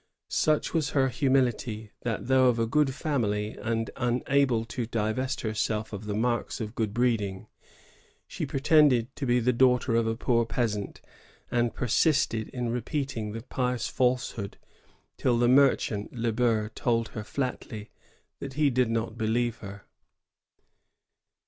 Such was her humility that, though of a good family and unable to divest herself of the marks of good breeding, she pretended to be the daughter of a poor peasant, and persisted in repeating the pious falsehood till the merchant Le Ber told her flatly that he did not believe her.